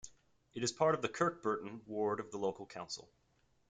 It is part of the Kirkburton ward of the local council.